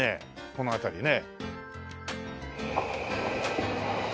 この辺りね。